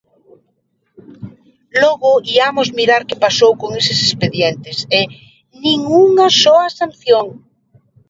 Logo iamos mirar que pasou con eses expedientes, e ¡nin unha soa sanción!